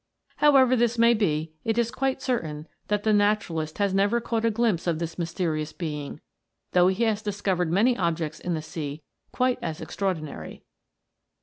However this may be, it is quite certain that the naturalist has never caught a glipse of this mysterious being, though he has discovered many objects in the sea quite as extraordinary.